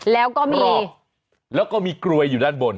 แล้วก็มีแล้วก็มีกลวยอยู่ด้านบน